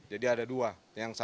jadi ada dua